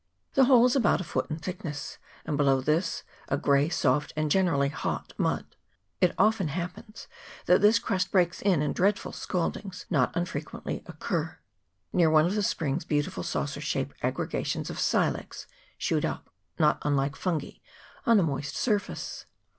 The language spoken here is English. The whole is about a foot in thickness ; and below this is a grey, soft, and generally hot mud. It often happens that this crust breaks in, and dreadful scaldings not unfre quently occur. Near one of the springs beautiful saucer shaped aggregations of silex shoot up, not unlike fungi on a moist surface.